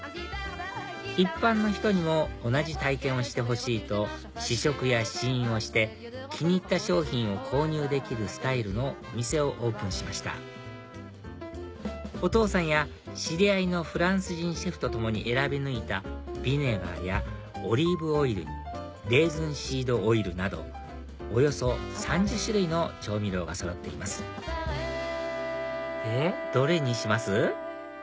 一般の人にも同じ体験をしてほしいと試食や試飲をして気に入った商品を購入できるスタイルのお店をオープンしましたお父さんや知り合いのフランス人シェフとともに選び抜いたビネガーやオリーブオイルにレーズンシードオイルなどおよそ３０種類の調味料がそろっていますでどれにします？